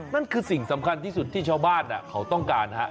นั่นคือสิ่งสำคัญที่สุดที่ชาวบ้านเขาต้องการฮะ